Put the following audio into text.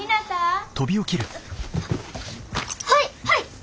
はい！